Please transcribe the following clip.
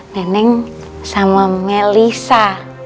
nenek sama melisa